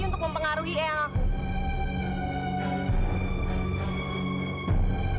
untuk mempengaruhi elaku